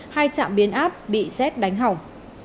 hai trạm biến áp bị xét đánh hỏng